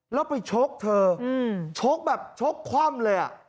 แล้วไปชกเธอชกแบบชกคว่ำเลย